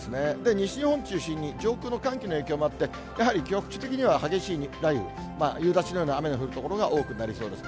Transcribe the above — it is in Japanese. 西日本中心に上空の寒気の影響もあって、やはり局地的には激しい雷雨、夕立のような雨の降る所が多くなりそうです。